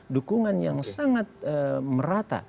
dukungan yang sangat merata